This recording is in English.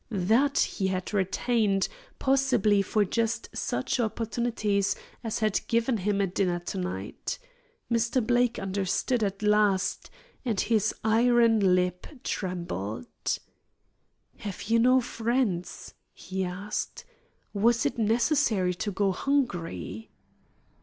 That he had retained, possibly for just such opportunities as had given him a dinner to night. Mr. Blake understood at last, and his iron lip trembled. "Have you no friends?" he asked. "Was it necessary to go hungry?"